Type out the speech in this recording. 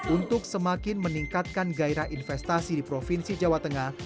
untuk semakin meningkatkan gairah investasi di provinsi jawa tengah